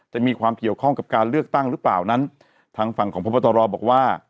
จะมีความเกี่ยวข้องกับการเลือกตั้งหรือเปล่านั้นทางฝั่งของพบตรบอกว่า